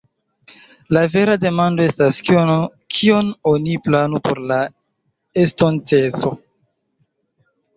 La vera demando estas, kion oni planu por la estonteco.